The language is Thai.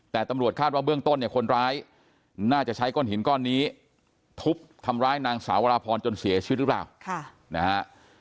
แต่ตำรวจคาดว่าเบื้องต้นเนี่ยคนร้ายน่าจะใช้ก้อนหินก้อนนี้ทุบทำร้ายนางสาววราพรจนเสียชีวิตหรือเปล่านะฮะ